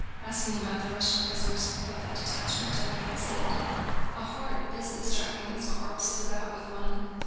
Asking about the Russian prisoners with that detachment, Dólokhov said: "A horrid business dragging these corpses about with one!